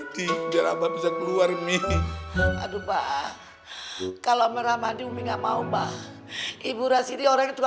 di jawa bisa keluar nih aduh pak kalau meramah diumum enggak mau mbak ibu rasid orang itu